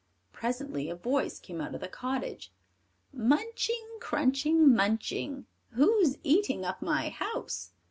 Presently a voice came out of the cottage: "Munching, crunching, munching, Who's eating up my house?"